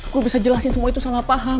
gue bisa jelasin semua itu salah paham